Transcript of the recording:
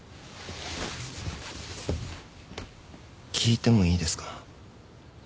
聞いてもいいですか？